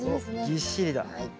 ぎっしりだ。